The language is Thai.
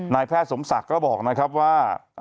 นายแพทย์สมศักดิ์ก็บอกนะครับว่า